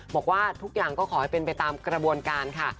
บอกว่าทุกอย่างก็ขอให้เป็นไปตามกระบวนการค่ะ